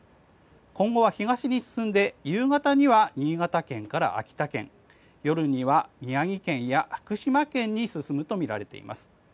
今後は東に進んで夕方には新潟県から秋田県夜には宮城県や福島県に進むとみられています。